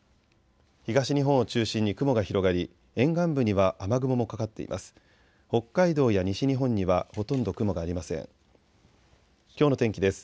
東日本を中心に雲が広がり沿岸部には雨雲もかかっています。